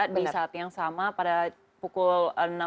di saat yang sama pada pukul enam belas